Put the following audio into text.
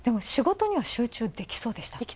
仕事には集中できそうでした？